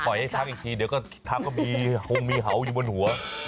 ไปทักอีกทีเดี๋ยวทักก็มีหงมีเฮาอยู่บนหัว